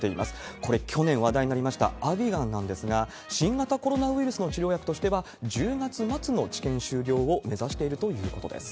これ、去年話題になりましたアビガンなんですが、新型コロナウイルスの治療薬としては、１０月末の治験終了を目指しているということです。